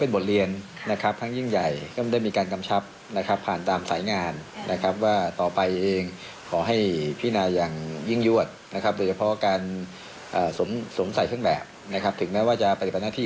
โดยเฉพาะการสมใส่เครื่องแบบถึงแม้ว่าจะปฏิบัติหน้าที่